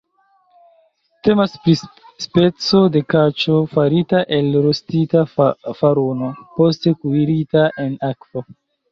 Temas pri speco de kaĉo, farita el rostita faruno, poste kuirita en akvo.